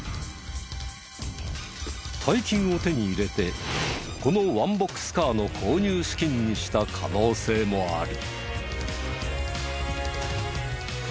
大金を手に入れてこのワンボックスカーの購入資金にした可能性もある。